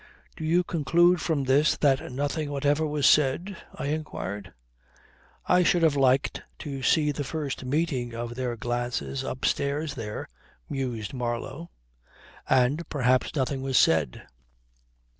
"Do you conclude from this that nothing whatever was said?" I inquired. "I should have liked to see the first meeting of their glances upstairs there," mused Marlow. "And perhaps nothing was said.